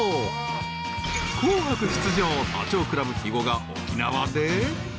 ［『紅白』出場ダチョウ倶楽部肥後が沖縄で］